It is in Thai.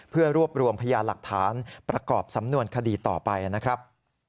เพื่อรวบรวมพยานหลักฐานประกอบสำนวนคดีต่อไปนะครับ